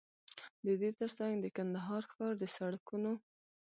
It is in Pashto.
ددې تر څنګ د کندهار ښار د سړکونو